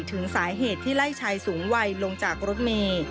ถึงสาเหตุที่ไล่ชายสูงวัยลงจากรถเมย์